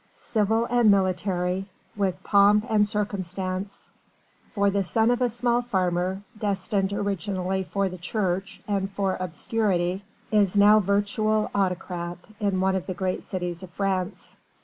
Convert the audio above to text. Civil and military with pomp and circumstance for the son of a small farmer, destined originally for the Church and for obscurity is now virtual autocrat in one of the great cities of France.